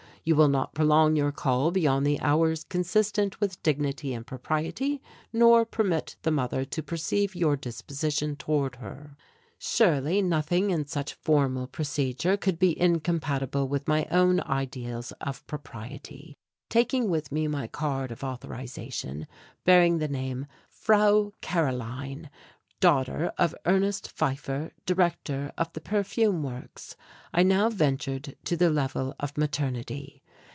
"You will not prolong your call beyond the hours consistent with dignity and propriety, nor permit the mother to perceive your disposition toward her." Surely nothing in such formal procedure could be incompatible with my own ideals of propriety. Taking with me my card of authorization bearing the name "Frau Karoline, daughter of Ernest Pfeiffer, Director of the Perfume Works," I now ventured to the Level of Maternity.